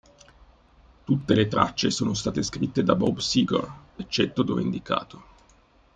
Tutte le tracce sono state scritte da Bob Seger, eccetto dove indicato.